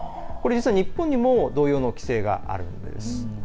これ、実は日本にも同様の規制があるんです。